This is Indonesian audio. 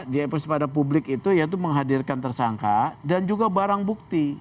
diekspos pada publik itu yaitu menghadirkan tersangka dan juga barang bukti